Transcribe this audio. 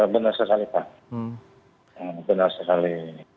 benar sekali pak benar sekali